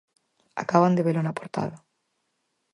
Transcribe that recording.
Acaban de velo na portada.